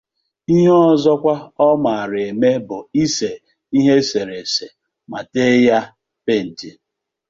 Ihe ọzọkwa ọ mara eme bụ ise ihe esere ese ma tee ya penti.